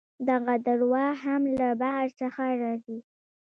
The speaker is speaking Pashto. دغه درواغ هم له بهر څخه راځي.